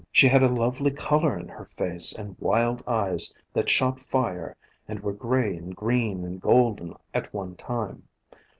She had a lovely color in her face and wild eyes that shot fire and were gray and green and golden at one time.